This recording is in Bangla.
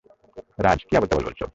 রাজ, কি আবোল-তাবোল বলছো।